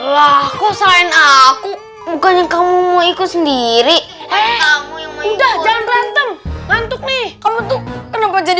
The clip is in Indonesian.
laku selain aku bukannya kamu ikut sendiri udah jangan berantem ngantuk nih kamu tuh kenapa jadi